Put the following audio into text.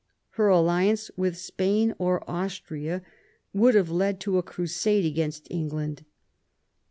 Her alliance with Spain or Austria would have led to .a crusade against England.